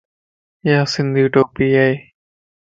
ايا سنڌي ٽوپي ا